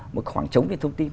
một khoảng trống về thông tin